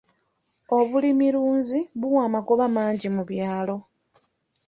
Obulimirunzi buwa amagoba mangi mu byalo.